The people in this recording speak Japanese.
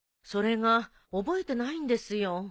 それが覚えてないんですよ。